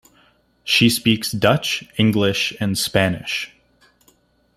She speaks Dutch, English and Spanish.